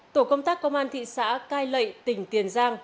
tổ công tác công an thị xã cai lệ tỉnh tiền giang